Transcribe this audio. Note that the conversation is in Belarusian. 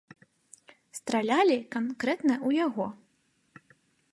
Стралялі канкрэтна ў яго.